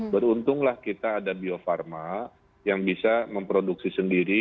beruntunglah kita ada bio farma yang bisa memproduksi sendiri